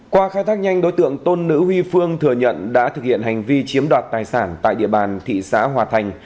qua khai thác nhanh đối tượng tôn nữ huy phương thừa nhận đã thực hiện hành vi chiếm đoạt tài sản tại địa bàn thị xã hòa thành